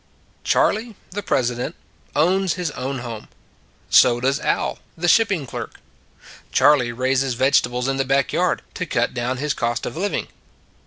Charley, the president, owns his own home; so does Al, the shipping clerk. Charley raises vegetables in the back yard, He Called the President 49 to cut down his cost of living.